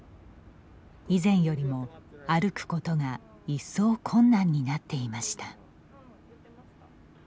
以前よりも歩くことがいっそう困難になっていました。